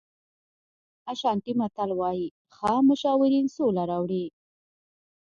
اشانټي متل وایي ښه مشاورین سوله راوړي.